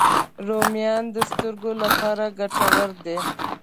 رومیان د سترګو لپاره ګټور دي